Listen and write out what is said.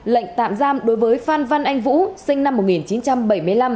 lệnh tạm giam đối với phan văn anh vũ sinh năm một nghìn chín trăm bảy mươi năm